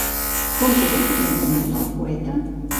Com era, físicament, el poeta?